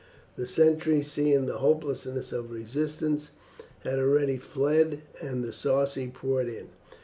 The sentries, seeing the hopelessness of resistance, had already fled, and the Sarci poured in.